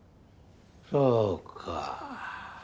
そうか。